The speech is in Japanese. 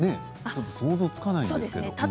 想像つかないんですけど。